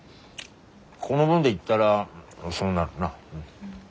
この分でいったらそうなるな。